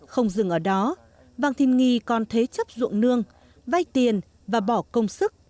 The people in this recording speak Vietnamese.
không dừng ở đó vàng thìn nghì còn thế chấp dụng nương vay tiền và bỏ công sức